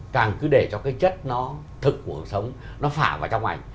càng cứ để cho cái chất nó thực của cuộc sống nó phả vào trong ảnh